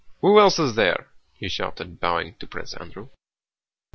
Who else is there?" he shouted, bowing to Prince Andrew.